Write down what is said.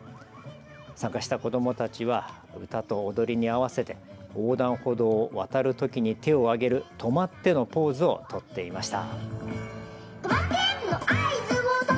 参加した子どもたちは歌と踊りに合わせて横断歩道を渡るときに手を上げる止まってのポーズを取っていました。